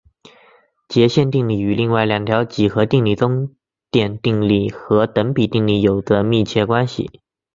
截线定理与另外两条几何定理中点定理和等比定理有密切关系。